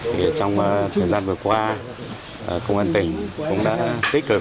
thì trong thời gian vừa qua công an tỉnh cũng đã tích cực